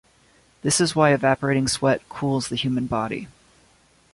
This is why evaporating sweat cools the human body.